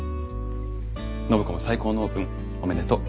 暢子も最高のオープンおめでとう。